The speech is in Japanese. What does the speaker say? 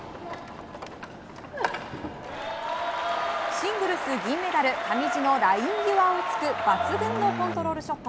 シングルス銀メダル上地のライン際を突く抜群のコントロールショット。